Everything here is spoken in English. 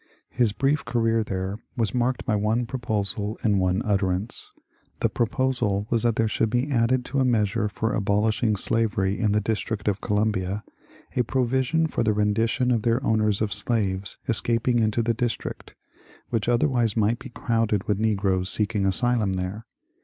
His brief career there was marked by one proposal and one utterance. The proposal was that there should be added to a measure for abolishing slavery in the District of Columbia a provision for the rendition to their owners of slaves escaping into the Dis trict, which otherwise might be crowded with negroes seeking asylum there.